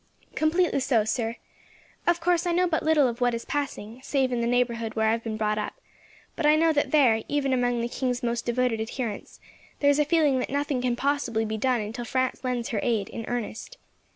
"Completely so, sir. Of course, I know but little of what is passing, save in the neighbourhood where I have been brought up; but I know that there, even among the king's most devoted adherents, there is a feeling that nothing can possibly be done until France lends her aid, in earnest.